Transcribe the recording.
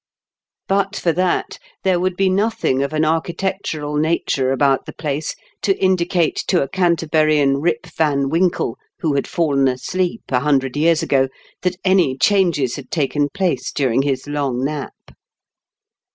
But for that there would be nothing of an archi tectural nature about the place to indicate to a Cantaburian Eip Van Winkle who had fallen asleep a hundred years ago, that any changes had taken place during his long nap.